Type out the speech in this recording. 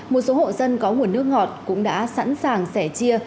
một số hộ dân có nguồn nước ngọt cũng đã sẵn sàng sẻ chia